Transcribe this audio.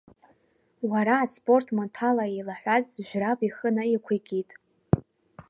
Уара, аспорт маҭәала еилаҳәаз Жәраб ихы наиқәикит.